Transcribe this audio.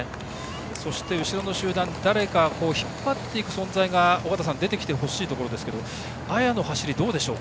そして、後ろの集団誰か引っ張っていく存在が出てきてほしいところですけども綾の走りはどうでしょう？